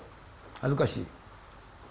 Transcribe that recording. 恥ずかしい？